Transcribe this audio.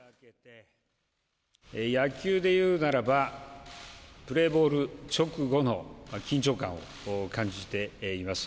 野球でいうならば、プレーボール直後の緊張感を感じています。